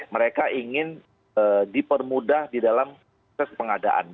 mereka ingin dipermudah di dalam ses pengadaannya